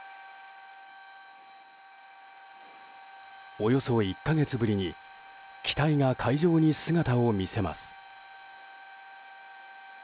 およそ１か月ぶりに機体が海上に姿を見せます。